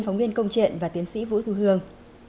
phóng viên công trện và tiến sĩ vũ thu hương